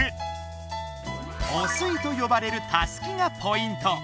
「オスイ」とよばれるたすきがポイント。